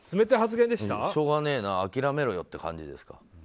しょうがねえな諦めろよって感じですか。